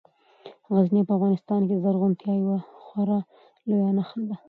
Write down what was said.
غزني په افغانستان کې د زرغونتیا یوه خورا لویه نښه ده.